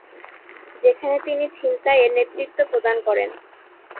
যেখানে তিনি ছিনতাই এর নেতৃত্ব প্রদান করেন।